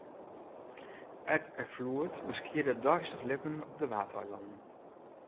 Eb en floed beskiede it deistich libben op de Waadeilannen.